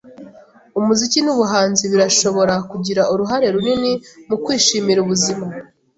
Umuziki n'ubuhanzi birashobora kugira uruhare runini mu kwishimira ubuzima.